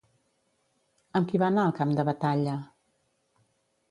Amb qui va anar al camp de batalla?